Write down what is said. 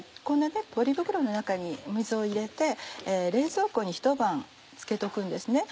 こんなポリ袋の中に水を入れて冷蔵庫にひと晩漬けておくんです。